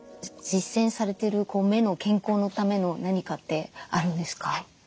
実践されてる目の健康のための何かってあるんですか？